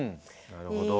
なるほど。